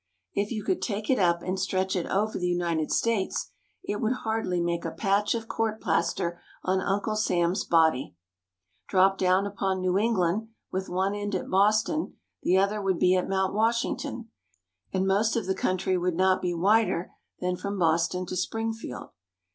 If you could take it up and stretch it over the United States it would hardly make a patch of court plaster on Uncle Sam's body. Dropped down upon New England, with one end at Boston, the other would be at Mount Wash ington, and most of the country would not be wider than from Boston to Springfield.